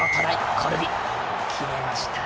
コルビ、決めました。